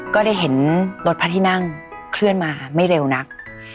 ก็ได้เห็นรถพระที่นั่งเคลื่อนมาไม่เร็วนัก